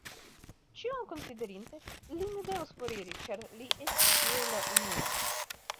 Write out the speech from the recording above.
Ĉion konsiderinte, ne li devas foriri, ĉar li estis tie la unua.